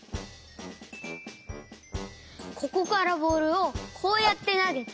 ここからボールをこうやってなげて。